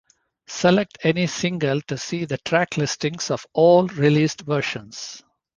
Select any single to see the track listings of all released versions.